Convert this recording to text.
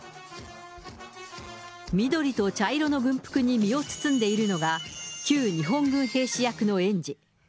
緑と茶色の軍服に身を包んでいるのが、旧日本軍兵士役の園児。